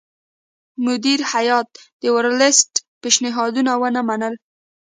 مدیره هیات د ورلسټ پېشنهادونه ونه منل.